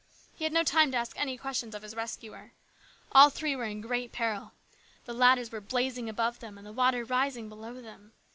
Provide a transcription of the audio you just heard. He had no time to ask any questions of his rescuer. All three were in great peril. The ladders were blazing above them and the water rising below them.